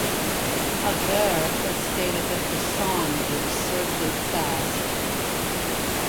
Averre has stated that the song is absurdly fast.